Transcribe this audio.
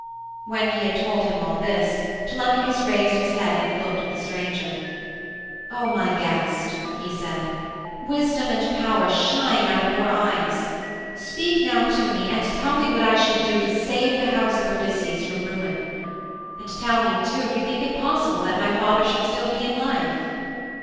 When he had told him all this Telemachus raised his head and looked at the stranger: 'O my guest,' he said, 'wisdom and power shine out of your eyes. Speak now to me and tell me what I should do to save the house of Odysseus from ruin. And tell me too if you think it possible that my father should still be in life.'